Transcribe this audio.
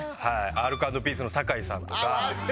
アルコ＆ピースの酒井さんとか。